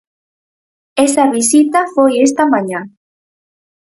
Esa visita foi esta mañá.